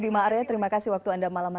bima'arnya terima kasih waktu anda malam ini